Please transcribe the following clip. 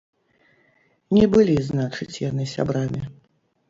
Не былі, значыць, яны сябрамі.